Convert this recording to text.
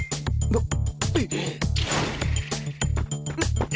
なっ！